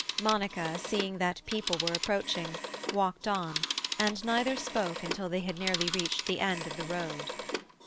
Monica, seeing that people were approaching, walked on, and neither spoke until they had nearly reached the end of the road.